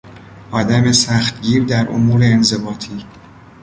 آدم سختگیر در امور انضباطی